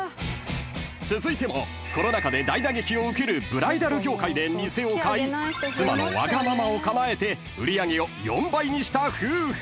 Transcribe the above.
［続いてもコロナ禍で大打撃を受けるブライダル業界で店を買い妻のわがままをかなえて売り上げを４倍にした夫婦］